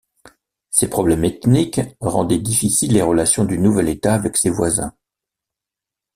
Ces problèmes ethniques rendaient difficiles les relations du nouvel État avec ses voisins.